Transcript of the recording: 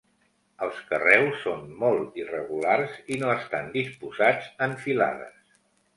Els carreus són molt irregulars i no estan disposats en filades.